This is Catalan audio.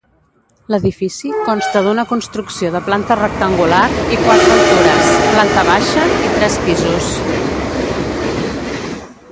L'edifici consta d'una construcció de planta rectangular i quatre altures, planta baixa i tres pisos.